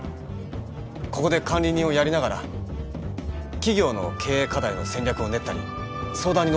ここで管理人をやりながら企業の経営課題の戦略を練ったり相談にのったりするつもりだ。